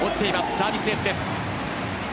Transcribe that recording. サービスエースです。